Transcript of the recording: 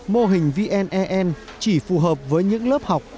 mô hình vne chỉ phù hợp với những lớp học